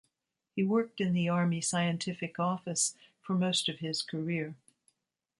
He worked in the Army Scientific Office for most of his career.